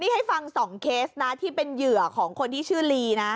นี่ให้ฟัง๒เคสนะที่เป็นเหยื่อของคนที่ชื่อลีนะ